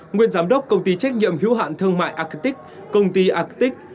nguyên giám đốc công ty trách nhiệm hữu hạn thương mại arctic công ty arctic